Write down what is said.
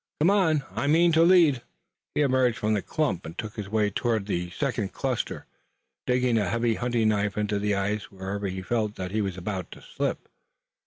Come on! I mean to lead." He emerged from the clump and took his way toward the second cluster, digging a heavy hunting knife into the ice whenever he felt that he was about to slip.